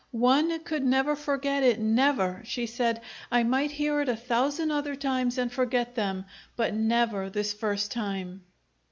"One could never forget it, never!" she said. "I might hear it a thousand other times and forget them, but never this first time."